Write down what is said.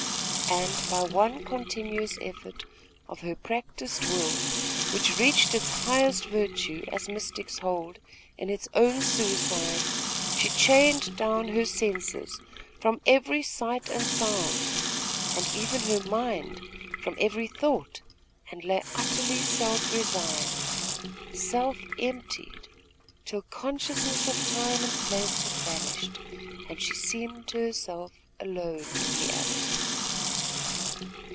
And, by one continuous effort of her practised will, which reached its highest virtue, as mystics hold, in its own suicide, she chained down her senses from every sight and sound, and even her mind from every thought, and lay utterly self resigned, self emptied, till consciousness of time and place had vanished, and she seemed to herself alone in the abyss.